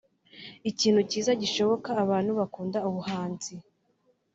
Ikintu cyiza gishoboka abantu bakunda ubuhanzi